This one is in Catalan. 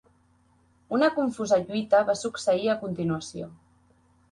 Una confusa lluita va succeir a continuació.